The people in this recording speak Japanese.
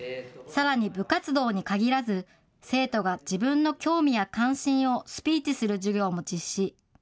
さらに部活動に限らず、生徒が自分の興味や関心をスピーチする授業も実施。